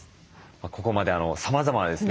ここまでさまざまなですね